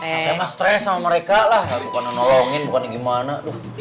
saya emang stres sama mereka lah bukannya nolongin bukannya gimana